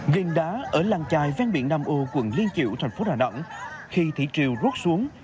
ghiền đá ở làng chài ven biển nam âu quận liên triệu thành phố đà nẵng khi thị triều rút xuống